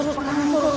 ilmu penghancur suku